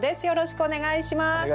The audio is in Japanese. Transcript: よろしくお願いします。